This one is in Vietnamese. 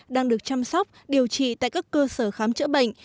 đang được chăm sóc điều trị tại các cơ sở khám chữa bệnh